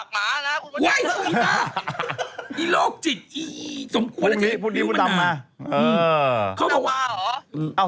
พวกนี้พวกนี้คุณตามมา